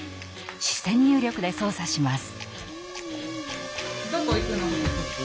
視線入力で操作します。